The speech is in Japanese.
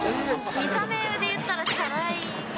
見た目で言ったら、ちゃらい。